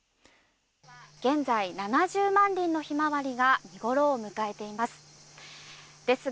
現在７０万輪のヒマワリが見ごろを迎えています。